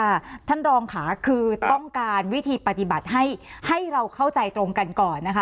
ท่านรองค่ะคือต้องการวิธีปฏิบัติให้ให้เราเข้าใจตรงกันก่อนนะคะ